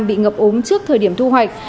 bị ngập ống trước thời điểm thu hoạch